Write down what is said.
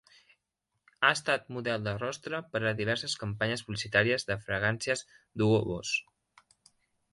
Ha estat model de rostre per a diverses campanyes publicitàries de fragàncies d'Hugo Boss.